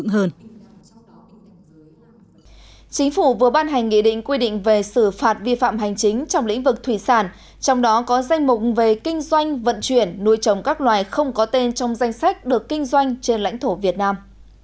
chính phủ vừa ban hành nghị định quy định về xử phạt vi phạm hành chính trong lĩnh vực thủy sản trong đó có danh mục về kinh doanh vận chuyển nuôi trồng các loài không có tên trong danh sách được kinh doanh trên lãnh thổ việt nam